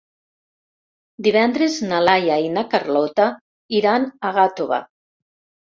Divendres na Laia i na Carlota iran a Gàtova.